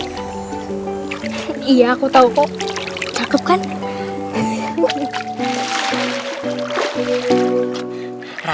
tidak ada yang bisa diberikan kebenaran